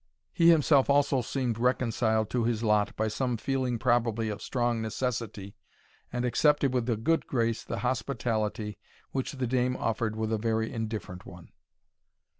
He himself also seemed reconciled to his lot by some feeling probably of strong necessity, and accepted with a good grace the hospitality which the dame offered with a very indifferent one.